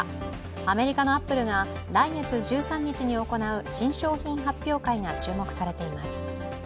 アメリカのアップルが来月１３日に行う新商品発表会が注目されています。